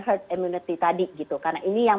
herd immunity tadi gitu karena ini yang